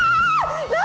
何？